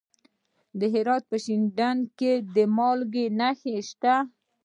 د هرات په شینډنډ کې د مالګې نښې شته.